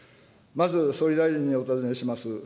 まず、総理大臣にお尋ねします。